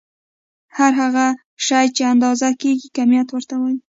هر هغه شی چې اندازه کيږي کميت ورته وايې.